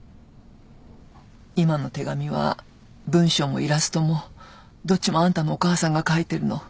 今の手紙は文章もイラストもどっちもあんたのお母さんがかいてるの。